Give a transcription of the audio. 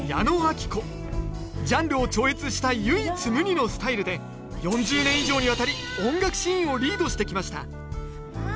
ジャンルを超越した唯一無二のスタイルで４０年以上にわたり音楽シーンをリードしてきました